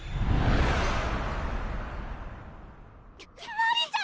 マリちゃん！